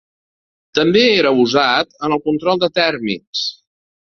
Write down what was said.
També era usat en el control de tèrmits.